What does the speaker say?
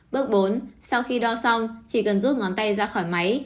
bước bốn sau khi đo xong chỉ cần rút ngón tay ra khỏi máy